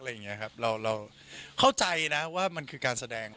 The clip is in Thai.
เราเราเข้าใจนะว่ามันคือการแสดง